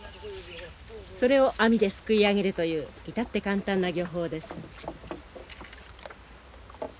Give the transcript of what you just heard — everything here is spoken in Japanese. それを網ですくい上げるという至って簡単な漁法です。